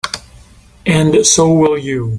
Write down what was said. And so will you.